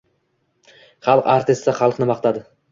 xalq artisti xalqni maqtadi